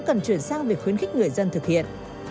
cần chuyển sang việc khuyến khích người dân thực hiện